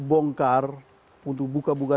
bongkar untuk buka buka